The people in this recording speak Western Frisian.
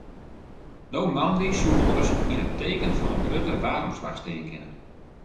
No moandei soe wolris yn it teken fan in grutte waarsomslach stean kinne.